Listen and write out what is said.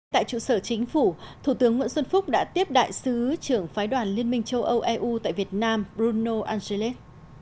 tại trụ sở chính phủ thủ tướng nguyễn xuân phúc đã tiếp đại sứ trưởng phái đoàn liên minh châu âu eu tại việt nam bruno angeles